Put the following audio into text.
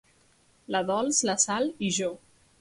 La Dols, la Sal i jo.